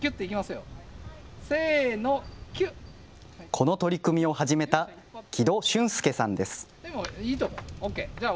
この取り組みを始めた木戸俊介さんです。